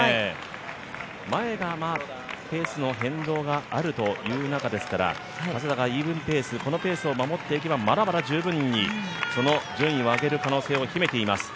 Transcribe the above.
前がペースの変動があるということですからイーブンペース、このペースを守っていけば、まだまだ十分にその順位を上げる可能性はあります。